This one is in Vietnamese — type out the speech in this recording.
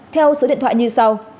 theo số điện thoại như sau